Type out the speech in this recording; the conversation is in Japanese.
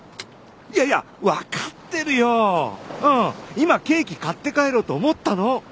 今ケーキ買って帰ろうと思ったの。